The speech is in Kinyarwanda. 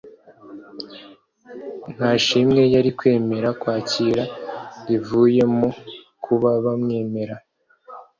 . Nta shimwe yari kwemera kwakira rivuye mu kuba bamwemera